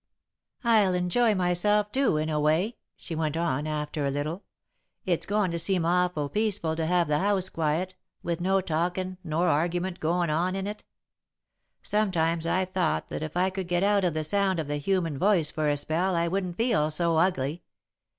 "I'll enjoy myself, too, in a way," she went on, after a little. "It's goin' to seem awful peaceful to have the house quiet, with no talkin' nor argument goin' on in it. Sometimes I've thought that if I could get out of the sound of the human voice for a spell I wouldn't feel so ugly.